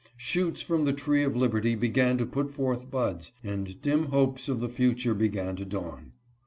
Shoots from the tree of liberty began to put forth buds, and dim hopes of the future began to dawn.